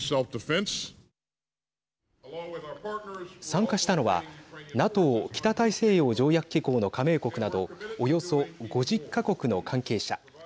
参加したのはＮＡＴＯ＝北大西洋条約機構の加盟国などおよそ５０か国の関係者。